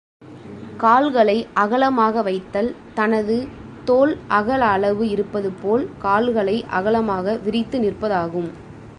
கால்களை அகலமாக வைத்தல் தனது தோள் அகல அளவு இருப்பது போல் கால்களை அகலமாக விரித்து நிற்பதாகும்.